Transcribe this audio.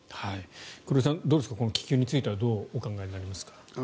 黒井さん、どうですかこの気球に関してはどうお考えになりますか？